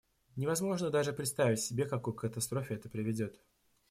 Невозможно даже представить себе, к какой катастрофе это приведет.